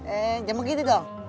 eh jangan begitu dong